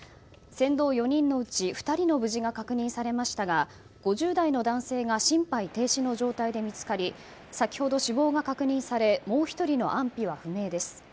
船頭４人のうち２人の無事が確認されましたが５０代の男性が心肺停止の状態で見つかり先ほど死亡が確認されもう１人の安否は不明です。